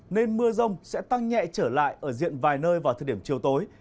nên mưa rông sẽ tăng nhẹ trở lại ở diện vài nơi vào thời điểm chiều tối